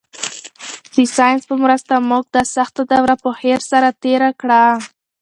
د ساینس په مرسته به موږ دا سخته دوره په خیر سره تېره کړو.